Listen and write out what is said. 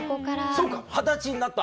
そうか二十歳になった？